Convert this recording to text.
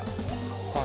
はい。